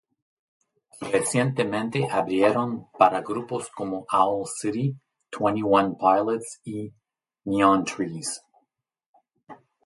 Recientemente abrieron para grupos como Owl City, Twenty One Pilots y Neon Trees.